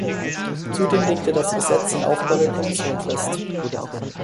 Zudem legte das Gesetz den Aufbau der Kommission fest.